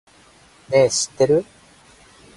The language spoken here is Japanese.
ねぇ、知ってる？